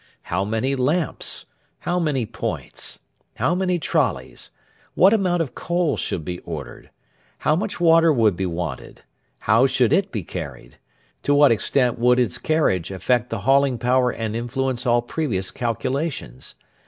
How many lamps? How many points? How many trolleys? What amount of coal should be ordered? How much water would be wanted? How should it be carried? To what extent would its carriage affect the hauling power and influence all previous calculations?